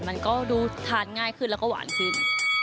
มันก็ดูทานง่ายขึ้นแล้วก็หวานขึ้น